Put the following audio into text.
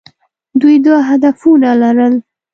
دوی دوه هدفونه لرل.